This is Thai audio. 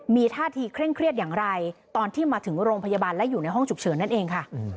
มีท่าทีเคร่งเครียดอย่างไรตอนที่มาถึงโรงพยาบาลและอยู่ในห้องฉุกเฉินนั่นเองค่ะ